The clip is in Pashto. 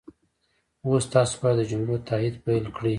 اوس تاسو باید د جملو تایید پيل کړئ.